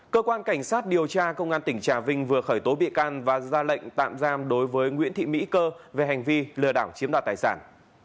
cơ quan cảnh sát điều tra công an tỉnh trà vinh vừa khởi tố bị can và ra lệnh tạm giam đối với nguyễn thị mỹ cơ về hành vi lừa đảo chiếm đoạt tài sản